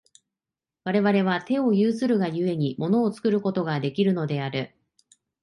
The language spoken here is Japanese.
我々は手を有するが故に、物を作ることができるのである。